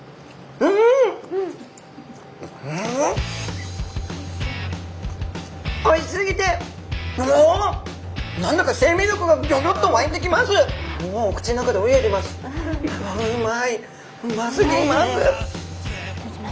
うますぎます。